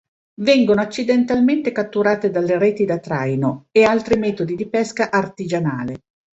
Vengono accidentalmente catturate dalle reti da traino e altri metodi di pesca artigianale.